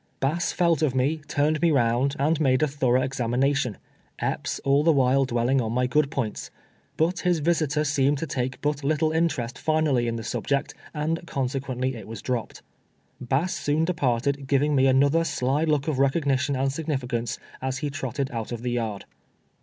Bass felt of me, turned me round, and made a 284 TWELVE YEARS A SLAVE. thorough examination, Epps all the while dwelling on my good points. But his visitor seemed to take but little interest tinally in the suhject, and consequently it was dropped. Bass soon departed, giving me an othur sly look of recognition and significance, as he trotted out of the yard.